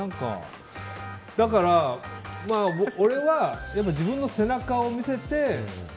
だから、俺は自分の背中を見せて。